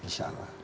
insya allah ya